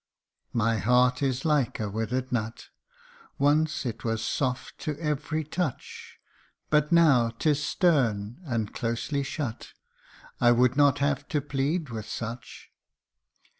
My heart is like a withered nut ; Once it was soft to every touch, But now 'tis stern and closely shut ; I would not have to plead with such.